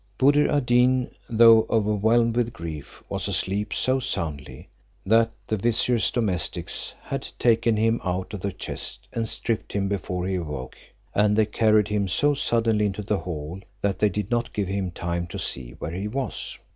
Buddir ad Deen, though overwhelmed with grief, was asleep so soundly, that the vizier's domestics had taken him out of the chest and stripped him before he awoke; and they carried him so suddenly into the hall, that they did not give him time to see where he was.